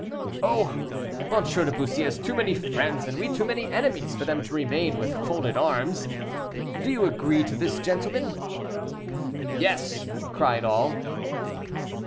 "Oh! M. de Bussy has too many friends, and we too many enemies, for them to remain with folded arms. Do you agree to this, gentlemen?" "Yes!" cried all.